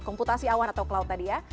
komputasi awan atau cloud tadi ya